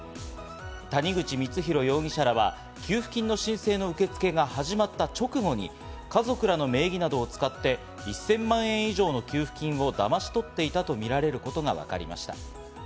谷口光弘容疑者らは給付金の申請の受け付けが始まった直後に家族らの名義などを使って１０００万以上の給付金をだまし取っていたとみられることがわかりました。